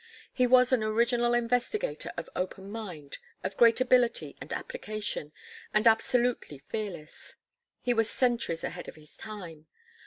He was an original investigator of open mind, of great ability and application, and absolutely fearless. He was centuries ahead of his time.